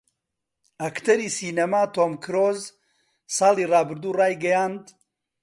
ئەکتەری سینەما تۆم کرووز ساڵی ڕابردوو ڕایگەیاند